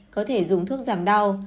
có thể dùng thuốc giảm đau